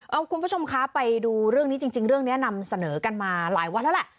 เอาคุณผู้ชมคะไปดูเรื่องนี้จริงเรื่องนี้นำเสนอกันมาหลายวันแล้วแหละ